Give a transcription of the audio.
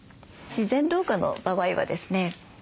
自然老化の場合はですね